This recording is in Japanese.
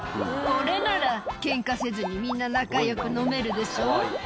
「これならケンカせずにみんな仲よく飲めるでしょう？」